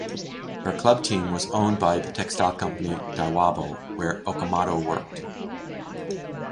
Her club team was owned by the textile company Daiwabo, where Okamoto worked.